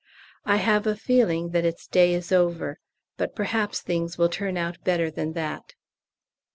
I have a feeling that its day is over, but perhaps things will turn out better than that.